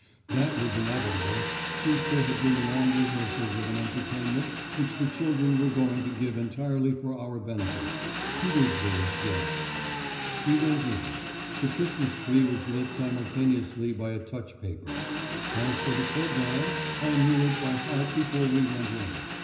That was inevitable, since there had been long rehearsals of an entertainment which the children were going to give entirely for our benefit Petersburg guests. We went in. The Christmas tree was lit simultaneously by a touch paper. As for the programme, I knew it by heart before we went in.